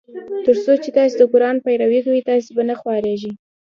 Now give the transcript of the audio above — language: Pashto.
تر څو چي تاسي د قرآن پیروي کوی تاسي به نه خوارېږی.